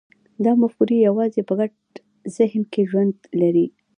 دا مفکورې یوازې په ګډ ذهن کې ژوند لري.